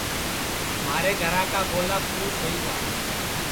مھارے گھرا کا گولا پُھس ہوئی گا